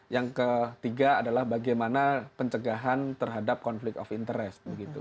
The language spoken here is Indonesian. yang ketiga adalah bagaimana pencegahan terhadap konflik of interest